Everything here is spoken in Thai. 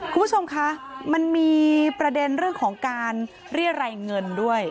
ดูคุณพี่ท่านนี้เนี่ย